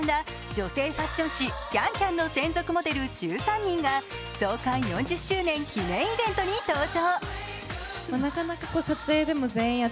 女性ファッション誌「ＣａｎＣａｍ」の専属モデル１３人が創刊４０周年記念イベントに登場。